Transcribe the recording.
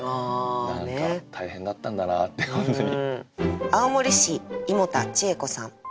何か大変だったんだなって本当に。